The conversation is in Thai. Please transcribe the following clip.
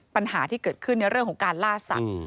ปัญหาที่เกิดขึ้นในเรื่องของการล่าสัตว์